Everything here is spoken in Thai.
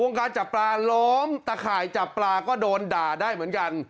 การจับปลาล้อมตะข่ายจับปลาก็โดนด่าได้เหมือนกัน